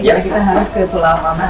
jadi kita harus ke tulama